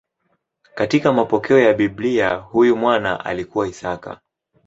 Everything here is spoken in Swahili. Katika mapokeo ya Biblia huyu mwana alikuwa Isaka.